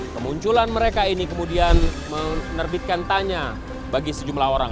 kemunculan mereka ini kemudian menerbitkan tanya bagi sejumlah orang